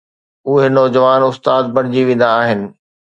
اهي نوجوان استاد بڻجي ويندا آهن.